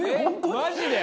「マジで？」